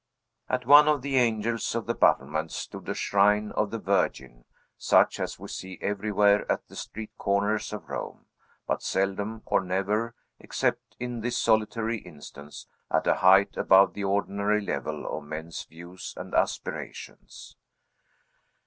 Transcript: At one of the angles of the battlements stood a shrine of the Virgin, such as we see everywhere at the street corners of Rome, but seldom or never, except in this solitary, instance, at a height above the ordinary level of men's views and aspirations.